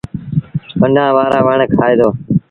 ڪنڊآن وآرآ وڻ کآئي دو۔